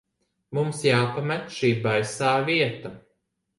Mums jāpamet šī baisā vieta.